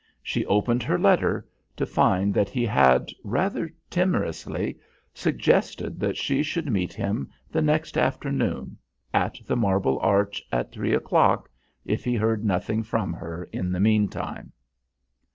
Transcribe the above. She opened her letter to find that he had, rather timorously, suggested that she should meet him the next afternoon at the Marble Arch at three o'clock, if he heard nothing from her in the meantime.